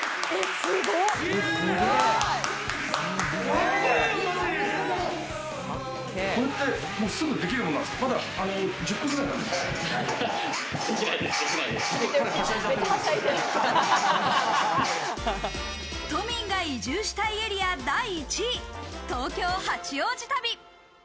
すごい！都民が移住したいエリア第１位、東京・八王子旅。